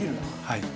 はい。